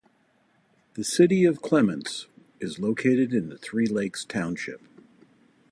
The city of Clements is located in Three Lakes Township.